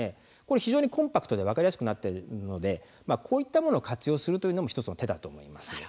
非常にコンパクトで分かりやすくなっているので、こういったものを活用するというのも手だと思います。